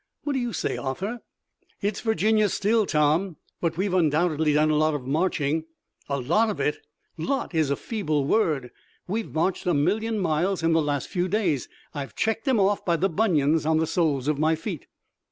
What do you say, Arthur?" "It's Virginia still, Tom, but we've undoubtedly done a lot of marching." "A lot of it! 'Lot' is a feeble word! We've marched a million miles in the last few days. I've checked 'em off by the bunions on the soles of my feet."